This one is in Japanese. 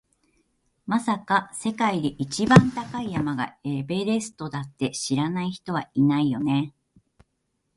まさか、世界で一番高い山がエベレストだって知らない人はいないよね？